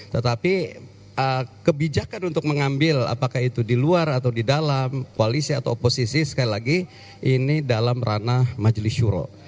tetapi kebijakan untuk mengambil apakah itu di luar atau di dalam koalisi atau oposisi sekali lagi ini dalam ranah majelis syuro